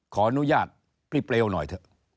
ขออนุญาตพี่เปลวหน่อยเถอะ